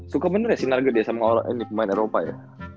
suka bener ya si nuggets sama orang pemain eropa ya